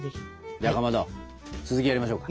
じゃあかまど続きやりましょうか。